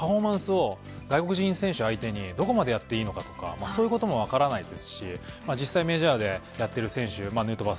本当にペッパーミルというのはパフォーマンスを外国人選手相手にどこまでやっていいのかそういうことも分からないですし実際メジャーでやっている選手